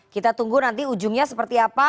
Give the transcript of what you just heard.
kita tunggu nanti ujungnya seperti apa